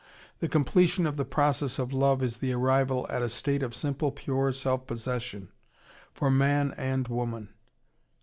The completion of the process of love is the arrival at a state of simple, pure self possession, for man and woman.